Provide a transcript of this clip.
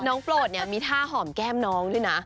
โปรดเนี่ยมีท่าหอมแก้มน้องด้วยนะ